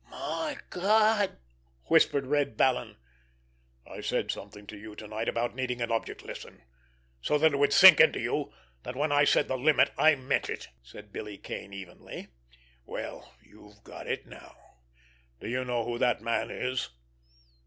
"My Gawd!" whispered Red Vallon. "I said something to you to night about needing an object lesson, so that it would sink into you that when I said the limit I meant it," said Billy Kane evenly. "Well, you've got it now! Do you know who that man is?"